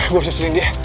gue harus disuruhin dia